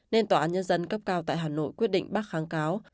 nên tòa án nhân dân cấp cao tại hà nội quyết định bác kháng cáo